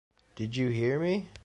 Did you hear me?